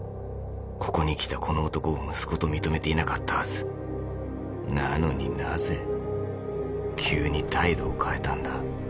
ここに来たこの男を息子と認めていなかったはずなのになぜ急に態度を変えたんだ